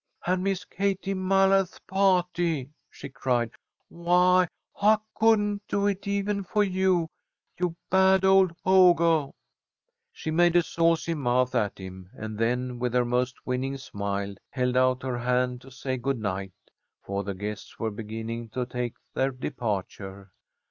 "And miss Katie Mallard's pah'ty?" she cried. "Why, I couldn't do it even for you, you bad old ogah." She made a saucy mouth at him, and then, with her most winning smile, held out her hand to say good night, for the guests were beginning to take their departure.